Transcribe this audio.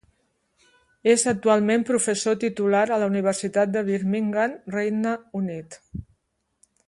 És actualment professor titular a la Universitat de Birmingham, Regne Unit.